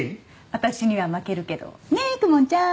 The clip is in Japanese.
私には負けるけどねえ公文ちゃん